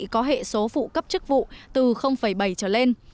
có hệ số phụ cấp chức vụ từ bảy trở lên